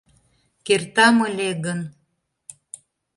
Кертам ыле гын!